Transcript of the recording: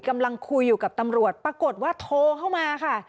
กำลังคุยอยู่กับตำรวจปรากฏว่าโทรเข้ามาค่ะ